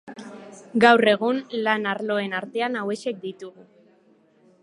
Gaur egun, lan-arloen artean hauexek ditugu.